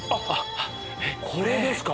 これですか？